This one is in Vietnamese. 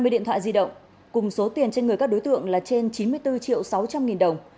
hai mươi điện thoại di động cùng số tiền trên người các đối tượng là trên chín mươi bốn triệu sáu trăm linh nghìn đồng